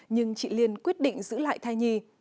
nhưng chị liên quyết định giữ lại thai nhi